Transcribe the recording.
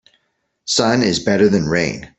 Sun is better than rain.